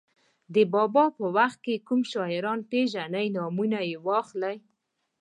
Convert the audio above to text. د بابا په وخت کې کوم شاعران پېژنئ نومونه یې واخلئ.